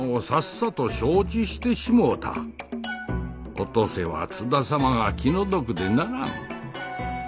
お登勢は津田様が気の毒でならん。